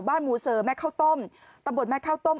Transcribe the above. บ้านมูเสอแม่เข้าต้มตำบลแม่เข้าต้ม